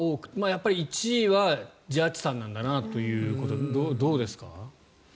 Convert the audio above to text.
やっぱり１位はジャッジさんなんだなということでどうですか？